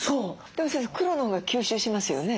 でも先生黒のほうが吸収しますよね？